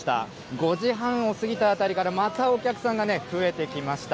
５時半を過ぎたあたりから、またお客さんがね、増えてきました。